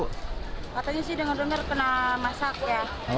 katanya sih dengan benar benar kena masak ya